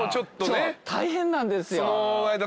そう大変なんですよ。